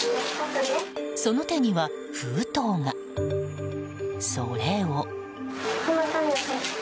その手には封筒が。それを。